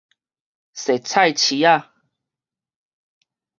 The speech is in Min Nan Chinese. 踅菜市仔